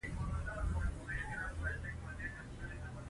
صد یق الله رېښتین، عبد الله بختاني، محمد صدیق روهي